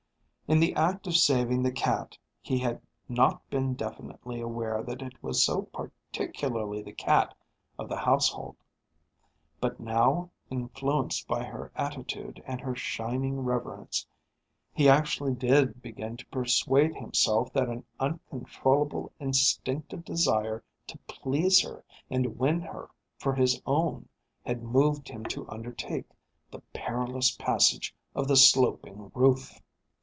In the act of saving the cat he had not been definitely aware that it was so particularly the cat of the household. But now, influenced by her attitude and her shining reverence, he actually did begin to persuade himself that an uncontrollable instinctive desire to please her and win her for his own had moved him to undertake the perilous passage of the sloping roof.